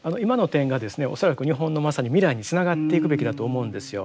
恐らく日本のまさに未来につながっていくべきだと思うんですよ。